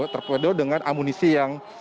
torpedo dengan amunisi yang